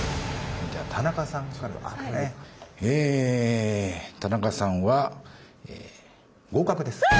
え田中さんは合格です。わ！